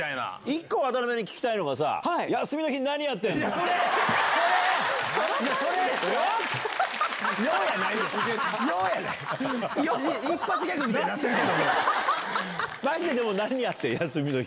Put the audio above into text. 一個、渡辺に聞きたいのが、休みの日、何やってんの？